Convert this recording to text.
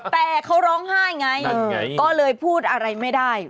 แต่เขาร้องไห้ไงก็เลยพูดอะไรไม่ได้